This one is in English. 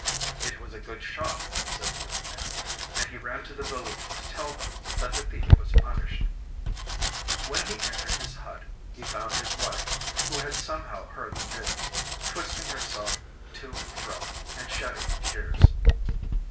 'It was a good shot,' said the young man. And he ran to the village to tell them that the thief was punished. When he entered his hut he found his wife, who had somehow heard the news, twisting herself to and fro and shedding tears.